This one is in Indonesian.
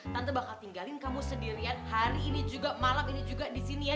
tante bakal tinggalin kamu sendirian hari ini juga malam ini juga di sini ya